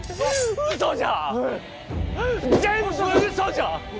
うそじゃ！